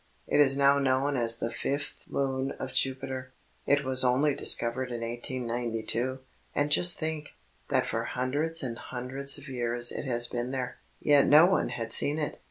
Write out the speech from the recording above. It is now known as the fifth moon of Jupiter. It was only discovered in 1892, and just think, that for the hundreds and hundreds of years it has been there, yet no one had seen it.